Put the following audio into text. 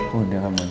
gak sih gak mau